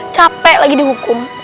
capek lagi dihukum